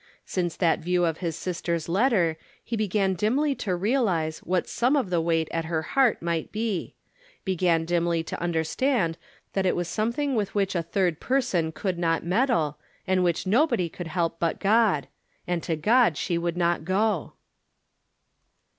Since that view of his sister's letter, he began dimly to rea lize what some of the weight at her heart might be ; began dimly to understand that it was some From Different Standpoints. 253 thing witli wMch a third person could not meddle, and which nobody could help but God ; and to God she would not go.